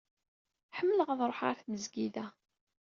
Ḥemmleɣ ad ruḥeɣ ɣer tmezgida.